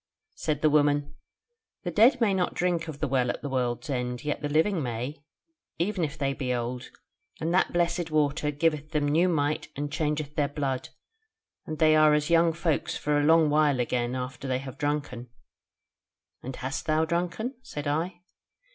"Said the woman: 'The dead may not drink of the Well at the World's End; yet the living may, even if they be old; and that blessed water giveth them new might and changeth their blood, and they are as young folk for a long while again after they have drunken.' 'And hast thou drunken?' said I.